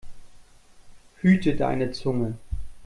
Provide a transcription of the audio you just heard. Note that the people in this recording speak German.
Hüte deine Zunge!